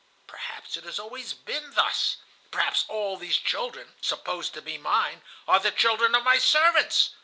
Perhaps it has always been thus. Perhaps all these children, supposed to be mine, are the children of my servants.